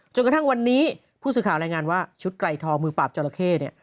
จนกระทั่งวันนี้ผู้สื่อข่าวรายงานว่าชุดไกลทองมือปราบจอราเข้เนี่ย